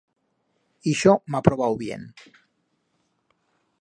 Ixo m'ha probau bien.